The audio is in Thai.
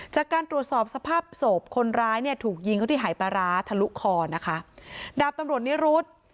จากการตรวจสอบสภาพศพคนร้ายเนี่ยถูกยิงเขาที่หายปลาร้าทะลุคอนะคะดาบตำรวจนิรุธ